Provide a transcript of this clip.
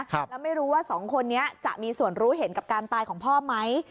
แล้วไม่รู้ว่าสองคนนี้จะมีส่วนรู้เห็นกับการตายของพ่อไหม